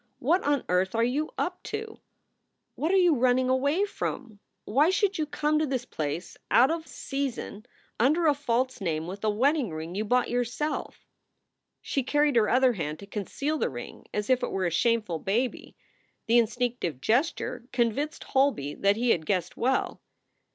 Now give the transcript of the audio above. What on earth are you up to? What are you running away from? Why should you come to this place out of season under a false name with a wedding ring you bought yourself?" She carried her other hand to conceal the ring as if it were a shameful baby. The instinctive gesture convinced Holby that he had guessed well.